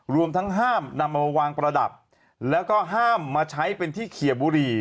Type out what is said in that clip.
รวมทั้งห้ามนำมาวางประดับแล้วก็ห้ามมาใช้เป็นที่เขียบุหรี่